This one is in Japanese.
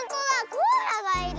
コアラがいる。